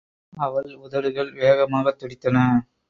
அவள் உதடுகள் வேகமாகத் துடித்தன.